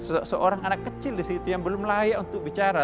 seorang anak kecil di situ yang belum layak untuk bicara